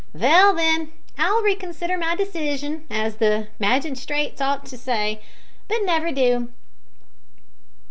"Vell, then, I'll reconsider my decision, as the maginstrates ought to say, but never do."